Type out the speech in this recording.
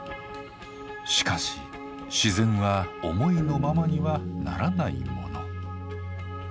しかし自然は思いのままにはならないもの。